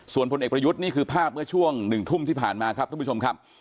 ส่วนพลเอกประยุทธ์นี่คือภาพเมื่อช่วง๑ทุ่มที่ผ่านมาครับท่านผู้ชมครับ